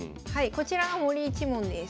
こちらが森一門です。